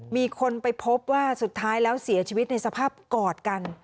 มีคนไปพบว่าสุดท้ายแล้วเสียชีวิตในสภาพกอดกัน